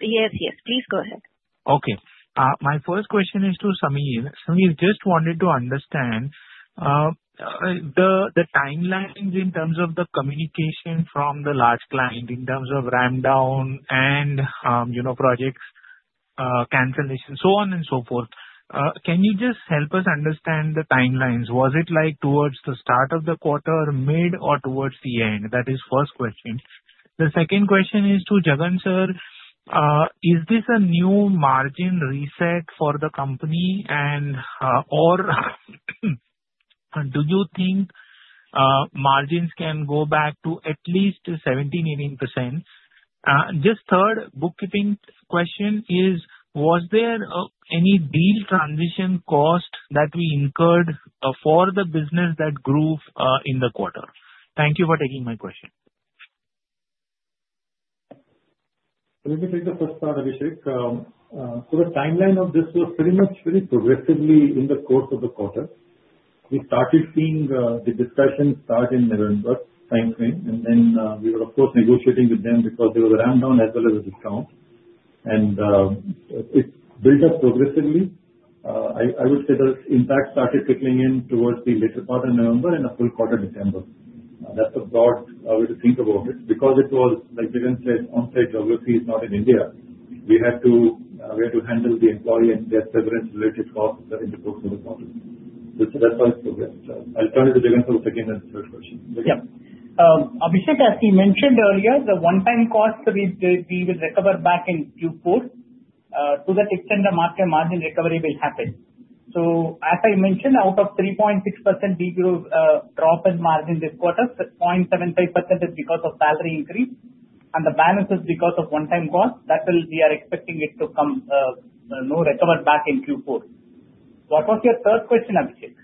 Yes. Yes. Please go ahead. Okay. My first question is to Samir. Samir, just wanted to understand the timelines in terms of the communication from the large client in terms of ramp down and project cancellation, so on and so forth. Can you just help us understand the timelines? Was it towards the start of the quarter, mid, or towards the end? That is the first question. The second question is to Jagan sir. Is this a new margin reset for the company? And do you think margins can go back to at least 17%-18%? Just third, bookkeeping question is, was there any deal transition cost that we incurred for the business that grew in the quarter? Thank you for taking my question. Let me take the first part, Abhishek. So the timeline of this was pretty much very progressively in the course of the quarter. We started seeing the discussion start in November timeframe. And then we were, of course, negotiating with them because there was a ramp down as well as a discount. And it built up progressively. I would say the impact started trickling in towards the later part of November and the full quarter of December. That's a broad way to think about it because it was, like Jagan said, on-site geography is not in India. We had to handle the employee and their severance-related costs in the course of the quarter. So that's how it progressed. I'll turn it to Jagan for the second and third question. Yeah. Abhishek, as he mentioned earlier, the one-time cost, we will recover back in Q4 to that extent the margin recovery will happen. So as I mentioned, out of 3.6% degrowth drop in margin this quarter, 6.75% is because of salary increase. And the balance is because of one-time cost. That will be. We are expecting it to come recover back in Q4. What was your third question, Abhishek?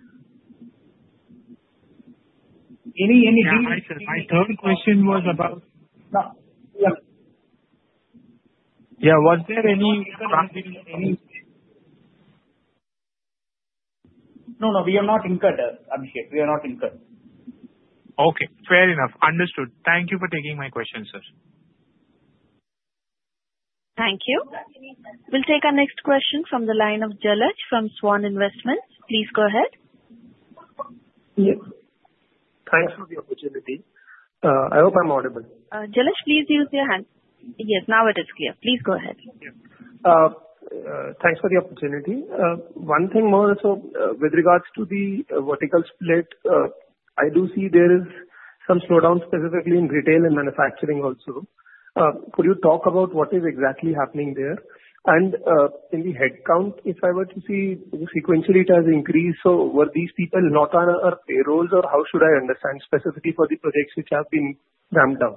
Any deal? My third question was about. No. Yeah. Was there any? We got an increase. No, no. We are not concerned, Abhishek. We are not concerned. Okay. Fair enough. Understood. Thank you for taking my question, sir. Thank you. We'll take our next question from the line of Jalaj from Swan Investments. Please go ahead. Yes. Thanks for the opportunity. I hope I'm audible. Jalaj, please use your hand. Yes. Now it is clear. Please go ahead. Thanks for the opportunity. One thing more or so with regards to the vertical split. I do see there is some slowdown specifically in retail and manufacturing also. Could you talk about what is exactly happening there? And in the headcount, if I were to see sequentially, it has increased. So were these people not on a payroll, or how should I understand specifically for the projects which have been ramped down?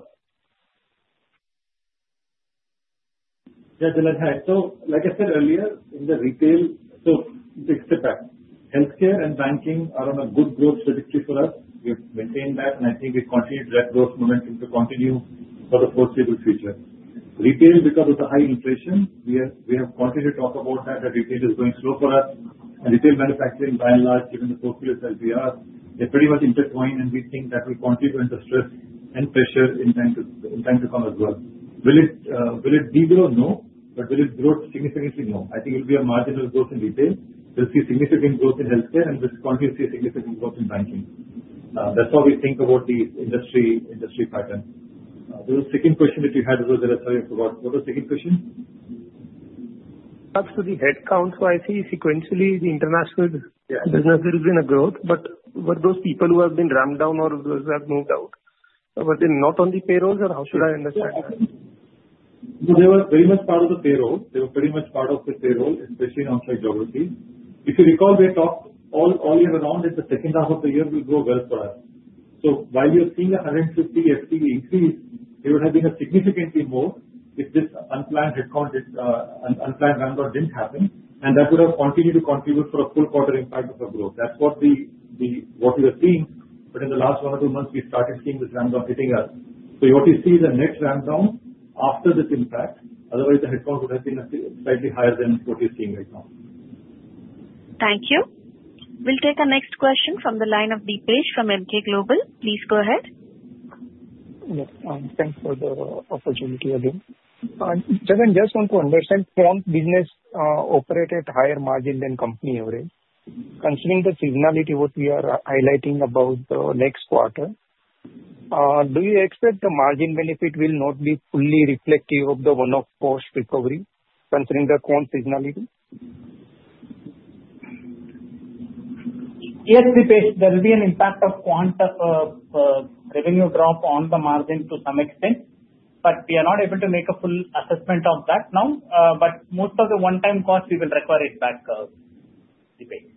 Yeah. Jalaj, so like I said earlier, in the retail, so let's step back. Healthcare and banking are on a good growth trajectory for us. We have maintained that, and I think we continue that growth momentum to continue for the foreseeable future. Retail, because of the high inflation, we have continued to talk about that, that retail is going slow for us. And retail manufacturing, by and large, given the forcefulness as we are, they're pretty much intertwined, and we think that will continue to put the stress and pressure in time to come as well. Will it degrow? No. But will it grow significantly? No. I think it will be a marginal growth in retail. We'll see significant growth in healthcare, and we'll continue to see significant growth in banking. That's how we think about the industry pattern. The second question that you had was a response about—what was the second question? As to the headcount, so I see sequentially the international business, there has been a growth, but were those people who have been ramped down or those who have moved out, were they not on the payrolls, or how should I understand it? They were very much part of the payroll. They were pretty much part of the payroll, especially in on-site geography. If you recall, we had talked all year around that the second half of the year will go well for us. So while you're seeing a 150 FTE increase, there would have been significantly more if this unplanned headcount, unplanned ramp down didn't happen. And that would have continued to contribute for a full quarter impact of a growth. That's what we were seeing. But in the last one or two months, we started seeing this ramp down hitting us. So what we see is a net ramp down after this impact. Otherwise, the headcount would have been slightly higher than what you're seeing right now. Thank you. We'll take our next question from the line of Dipesh from Emkay Global. Please go ahead. Yes. Thanks for the opportunity again. Jagan, just want to understand quant business operated higher margin than company average. Considering the seasonality, what we are highlighting about the next quarter, do you expect the margin benefit will not be fully reflective of the one-off cost recovery considering the quant seasonality? Yes, Dipesh. There will be an impact of quant revenue drop on the margin to some extent. But we are not able to make a full assessment of that now. But most of the one-time cost, we will recover it back, Dipesh.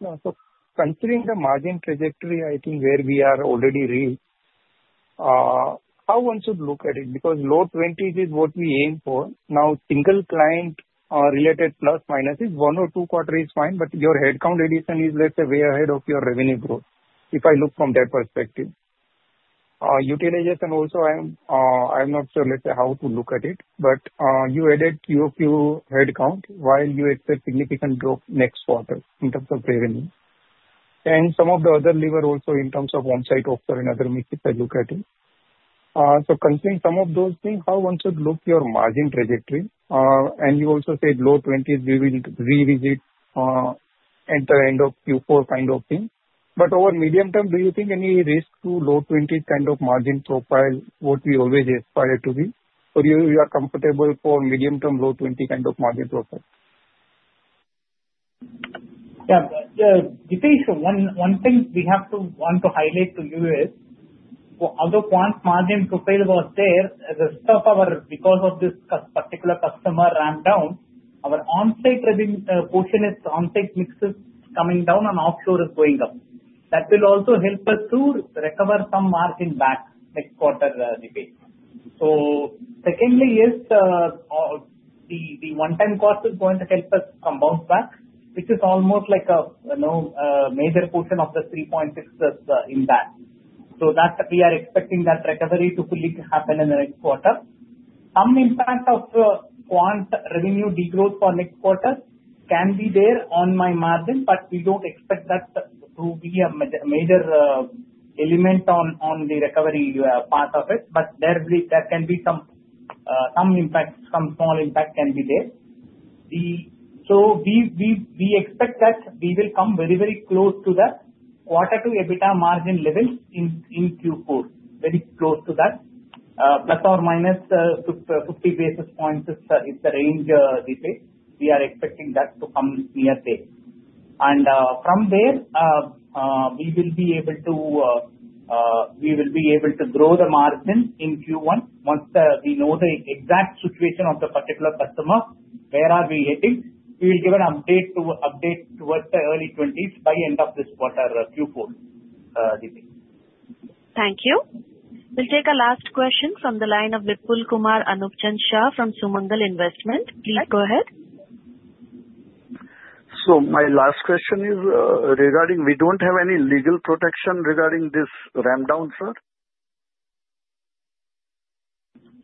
No. So, considering the margin trajectory, I think where we are already reached. How one should look at it? Because low 20s is what we aim for. Now, single client-related plus minuses, one or two quarters is fine. But your headcount addition is, let's say, way ahead of your revenue growth if I look from that perspective. Utilization also, I'm not sure, let's say, how to look at it. But you added Q of Q headcount while you expect significant growth next quarter in terms of revenue. And some of the other levers also in terms of on-site offshore and other mix if I look at it. So, considering some of those things, how one should look at your margin trajectory? And you also said low 20s we will revisit at the end of Q4 kind of thing. But over medium term, do you think any risk to low 20s kind of margin profile what we always aspire to be? Or you are comfortable for medium-term low 20 kind of margin profile? Yeah. Dipesh, one thing we want to highlight to you is for other quant margin profile was there, the rest of our, because of this particular customer ramp down, our on-site portion is on-site mix is coming down and offshore is going up. That will also help us to recover some margin back next quarter, Dipesh. So secondly, yes, the one-time cost is going to help us come out back, which is almost like a major portion of the 3.6% impact. So we are expecting that recovery to fully happen in the next quarter. Some impact of quant revenue degrowth for next quarter can be there on my margin, but we don't expect that to be a major element on the recovery part of it. But there can be some impact, some small impact can be there. So we expect that we will come very, very close to that quarter 2 EBITDA margin level in Q4, very close to that, plus or minus 50 basis points is the range, Dipesh. We are expecting that to come near there. And from there, we will be able to grow the margin in Q1 once we know the exact situation of the particular customer, where are we heading. We will give an update towards the early 20s by end of this quarter, Q4, Dipesh. Thank you. We'll take our last question from the line of Vipul Kumar Anupchand Shah from Sumangal Investment. Please go ahead. My last question is regarding we don't have any legal protection regarding this ramp down, sir?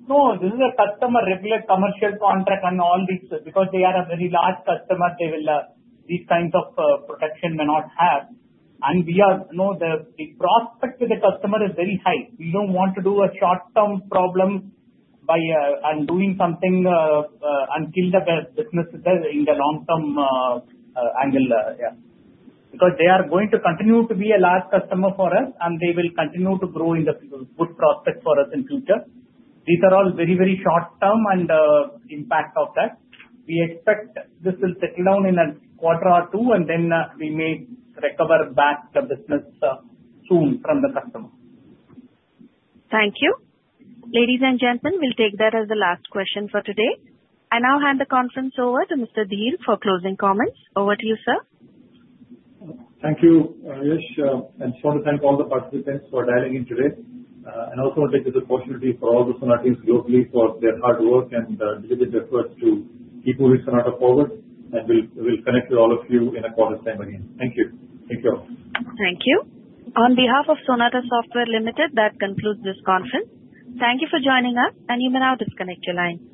No. This is a customer-regulated commercial contract and all this. Because they are a very large customer, they will, these kinds of protection may not have. And we know the prospect of the customer is very high. We don't want to do a short-term problem by doing something and kill the business in the long-term angle, yeah. Because they are going to continue to be a large customer for us, and they will continue to grow in the good prospect for us in future. These are all very, very short-term and impact of that. We expect this will settle down in a quarter or two, and then we may recover back the business soon from the customer. Thank you. Ladies and gentlemen, we'll take that as the last question for today. I now hand the conference over to Mr. Dhir for closing comments. Over to you, sir. Thank you, Abhishek. And I just want to thank all the participants for dialing in today. And also want to take this opportunity for all the Sonatians globally for their hard work and diligent efforts to keep moving Sonata forward. And we'll connect with all of you in a quarter's time again. Thank you. Thank you all. Thank you. On behalf of Sonata Software Limited, that concludes this conference. Thank you for joining us, and you may now disconnect your line.